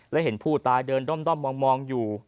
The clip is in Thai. และเห็นผู้ตายเดินด้อมมองอยู่